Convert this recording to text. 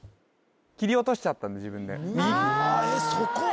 切り落としちゃったんで自分でああ！